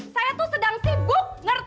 saya tuh sedang sibuk ngerti